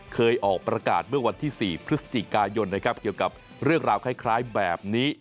เคยออกประกาศเมื่อวันที่๔พฤศจิกายนนะครับเกี่ยวกับเรื่องราวคล้ายแบบนี้